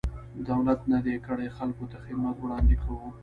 دولت نه دی کړی، خلکو ته خدمات وړاندې کوو.